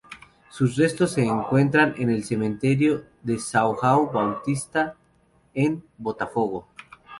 Sus restos se encuentran en el Cementerio São João Batista, en Botafogo.